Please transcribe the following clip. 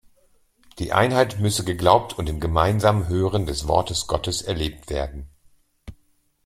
Die Einheit müsse geglaubt und im gemeinsamen Hören des Wortes Gottes erlebt werden.